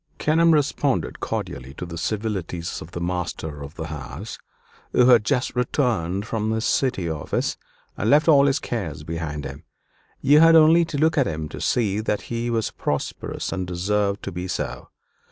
Kenelm responded cordially to the civilities of the master of the house, who had just returned from his city office, and left all its cares behind him. You had only to look at him to see that he was prosperous and deserved to be so.